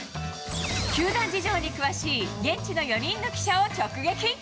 球団事情に詳しい現地の４人の記者を直撃。